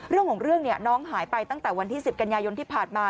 เรื่องของเรื่องเนี่ยน้องหายไปตั้งแต่วันที่๑๐กันยายนที่ผ่านมา